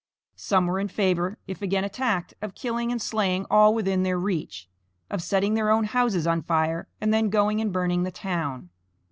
Some were in favor, if again attacked, of killing and slaying all within their reach; of setting their own houses on fire, and then going and burning the town.